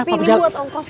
tapi ini buat ongkos